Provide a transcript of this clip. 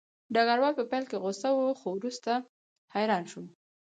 ډګروال په پیل کې غوسه و خو وروسته حیران شو